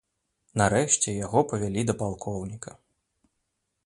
Нарэшце яго павялі да палкоўніка.